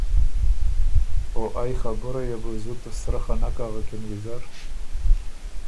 او ائ خبُرئ یه بو زُت سرۀ خه نک اغکِن ویزر